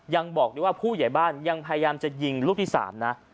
ยังบอกได้ว่าผู้ใหญ่บ้านยังพยายามจะยิงลูกที่๓นะ